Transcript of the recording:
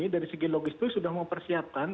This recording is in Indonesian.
dan lagi logis itu sudah mempersiapkan